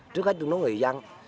trước hết chúng nó người dân